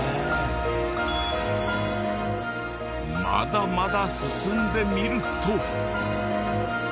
まだまだ進んでみると。